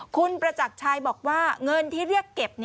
คุณประจักรชัยบอกว่าเงินที่เรียกเก็บ